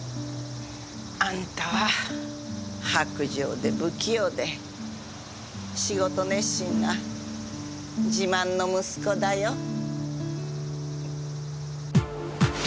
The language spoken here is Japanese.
あんたは薄情で不器用で仕事熱心な自慢の息子だよ。